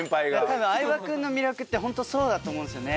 多分相葉君の魅力ってホントそうだと思うんですよね。